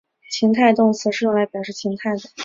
情态动词是用来表示情态的。